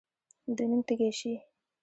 د نوم تږی شي.